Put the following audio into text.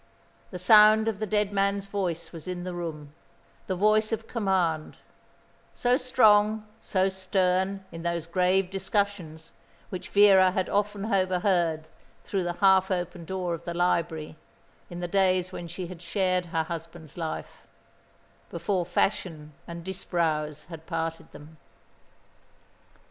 The sound of the dead man's voice was in the room, the voice of command so strong, so stern in those grave discussions which Vera had often overheard through the half open door of the library, in the days when she had shared her husband's life before fashion and Disbrowes had parted them.